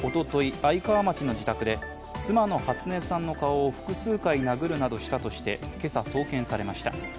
愛川町の自宅で妻の初音さんの顔を複数回殴るなどしたとして今朝、送検されました。